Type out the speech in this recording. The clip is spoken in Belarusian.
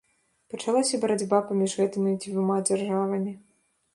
Пачалася барацьба паміж гэтымі дзвюма дзяржавамі.